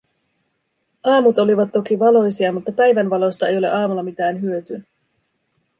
Aamut olivat toki valoisia, mutta päivänvalosta ei ole aamulla mitään hyötyä.